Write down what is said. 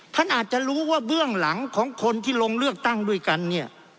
ท่านอาจจะรู้ว่าเบื้องหลังของคนที่ลงเลือกตั้งด้วยกันเนี่ย